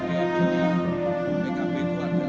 pkp itu ada